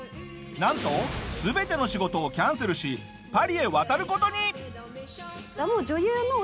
なんと全ての仕事をキャンセルしパリへ渡る事に！